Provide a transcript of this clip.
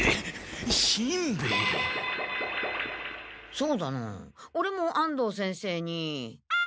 そうだなオレも安藤先生に。